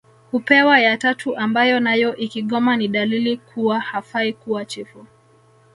Hupewa ya tatu ambayo nayo ikigoma ni dalili kuwa hafai kuwa chifu